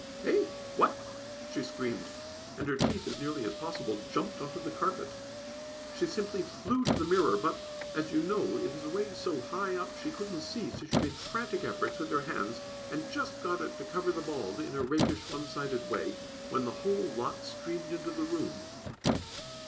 "Eh! what?" she screamed, and her teeth as nearly as possible jumped on to the carpet. She simply flew to the mirror, but, as you know, it is away so high up she couldn't see, so she made frantic efforts with her hands, and just got it to cover the bald, in a rakish, one sided way, when the whole lot streamed into the room.